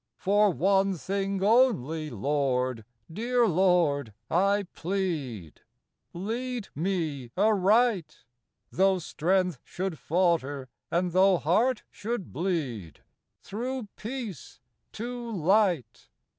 For one thing only, Lord, dear Lord, I plead, Lead me aright — Though strength should falter, and though heart should bleed — Through Peace to Light.